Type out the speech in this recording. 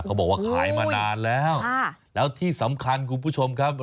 เขาบอกว่าขายมานานแล้วแล้วที่สำคัญคุณผู้ชมครับ